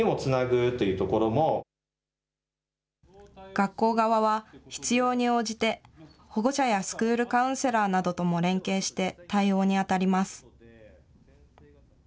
学校側は必要に応じて、保護者やスクールカウンセラーなどとも連携して、対応に当たります。